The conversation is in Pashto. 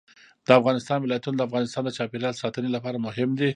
د افغانستان ولايتونه د افغانستان د چاپیریال ساتنې لپاره مهم دي.